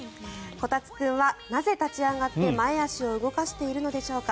こたつ君はなぜ立ち上がって前足を動かしているのでしょうか。